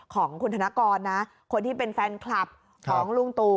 ของคุณธนกรนะคนที่เป็นแฟนคลับของลุงตู่